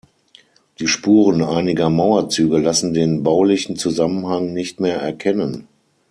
Die Spuren einiger Mauerzüge lassen den baulichen Zusammenhang nicht mehr erkennen.